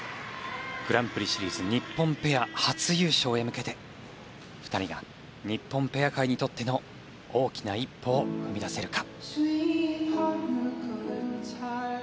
グランプリシリーズ日本ペア、初優勝へ向けて２人が日本ペア界にとっての大きな一歩を踏み出せるか。